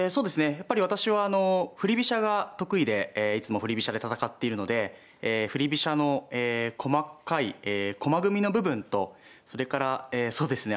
やっぱり私は振り飛車が得意でいつも振り飛車で戦っているので振り飛車の細かい駒組みの部分とそれからそうですね